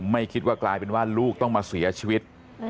ไม่คิดว่ากลายเป็นว่าลูกต้องมาเสียชีวิต